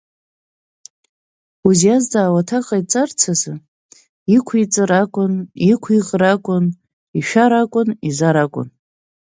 Узизҵаауа аҭак ҟаиҵарц азы, иқәиҵар акәын, иқәихыр акәын, ишәар акәын, изар акәын.